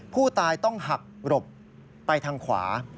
ผู้ตายต้องหักหลบไปทางขวา